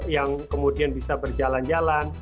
yang kemudian bisa berjalan jalan